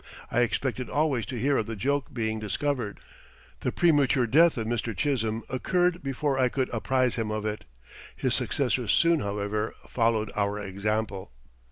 I expected always to hear of the joke being discovered. The premature death of Mr. Chisholm occurred before I could apprise him of it. His successors soon, however, followed our example.